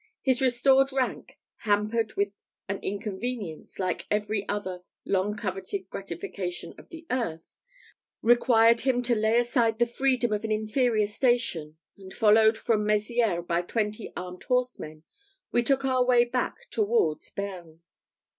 His restored rank hampered with an inconvenience, like every other long coveted gratification of the earth required him to lay aside the freedom of an inferior station; and, followed from Mezières by twenty armed horsemen, we took our way back towards Bearn.